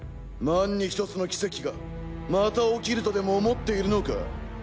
万に一つの奇跡がまた起きるとでも思っているのか？